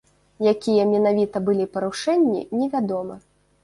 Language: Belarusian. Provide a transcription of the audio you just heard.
Якія менавіта былі парушэнні, невядома.